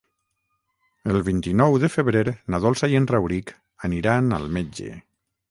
El vint-i-nou de febrer na Dolça i en Rauric aniran al metge.